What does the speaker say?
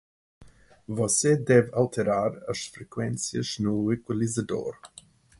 você deve alterar as frequências no equalizador